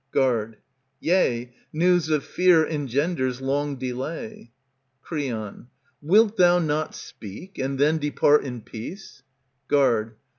149 ANTIGONE Guard. Yea, news of fear engenders long delay. Creon, Wilt thou not speak, and then depart in peace? Guard.